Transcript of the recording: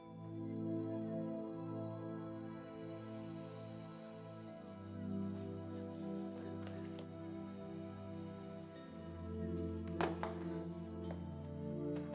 jadil' bakal di smao